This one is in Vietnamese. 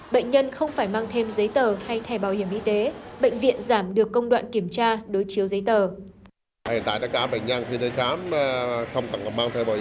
bệnh nhân không có bảo hiểm y tế thuận tiện cho cả người bệnh và bác sĩ